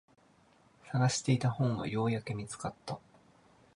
探していた本がようやく見つかった。